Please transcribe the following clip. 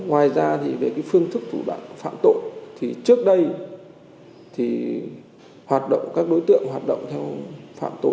ngoài ra thì về cái phương thức thủ đoạn phạm tội thì trước đây thì hoạt động các đối tượng hoạt động theo phạm tội